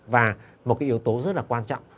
và một yếu tố rất là quan trọng